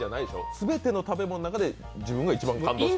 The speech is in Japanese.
全ての食べ物の中で自分が一番感動した？